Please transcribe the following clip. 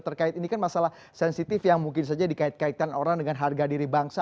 terkait ini kan masalah sensitif yang mungkin saja dikait kaitkan orang dengan harga diri bangsa